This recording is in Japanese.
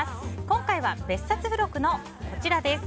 今回は、別冊付録のこちら。